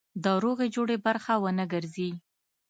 د روغې جوړې برخه ونه ګرځي.